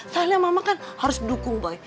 soalnya mama kan harus dukung boy